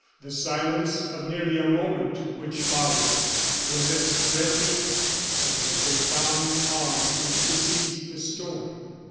The silence of nearly a moment which followed was as threatening as the profound calm which precedes the storm.